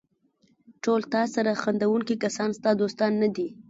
ټول تاسره خندېدونکي کسان ستا دوستان نه دي.